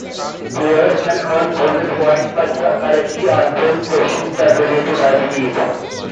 Players can earn bonus points by correctly answering questions that relate to diabetes.